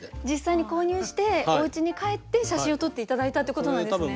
実際に購入しておうちに帰って写真を撮って頂いたってことなんですね。